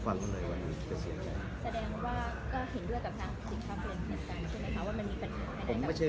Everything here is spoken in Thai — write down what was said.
แสดงว่าก็เห็นด้วยกับนักสิทธิ์ภาพเวรเทศกันใช่ไหมคะ